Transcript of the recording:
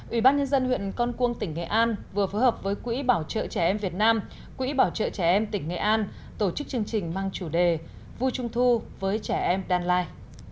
ủy ban nhân dân huyện con cuông tỉnh nghệ an vừa phối hợp với quỹ bảo trợ trẻ em việt nam quỹ bảo trợ trẻ em tỉnh nghệ an tổ chức chương trình mang chủ đề vui trung thu với trẻ em đan lai